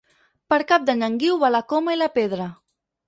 Per Cap d'Any en Guiu va a la Coma i la Pedra.